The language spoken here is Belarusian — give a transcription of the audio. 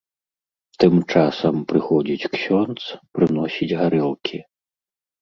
Тым часам прыходзіць ксёндз, прыносіць гарэлкі.